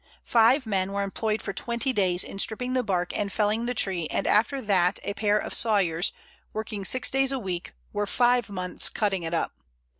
Five men were employed for twenty days in stripping the bark and felling the tree, and after that a pair of sawyers, working six days a week, were five months cutting it up.